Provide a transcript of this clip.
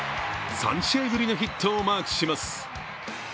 ３試合ぶりのヒットをマークします